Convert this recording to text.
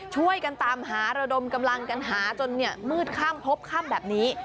ช่วยกันตามหาระดมกำลังกันหาจนมืดค่ำพบค่ำแบบนี้